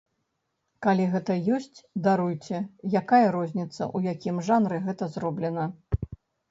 Калі гэта ёсць, даруйце, якая розніца, у якім жанры гэта зроблена.